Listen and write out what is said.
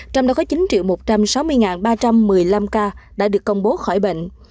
trong đó có chín một trăm sáu mươi ba trăm một mươi năm ca đã được công bố khỏi bệnh